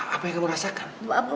apa yang kamu rasakan